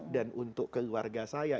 dan untuk keluarga saya